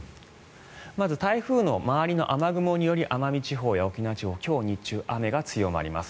まず台風の周りの雨雲により奄美地方や沖縄地方今日日中、雨が強まります。